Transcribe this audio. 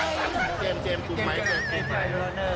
คนอื่นไม่กลุ่มมือเลย